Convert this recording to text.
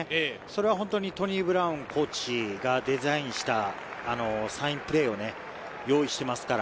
それは本当にトニー・ブラウンコーチがデザインしたサインプレーを用意していますから。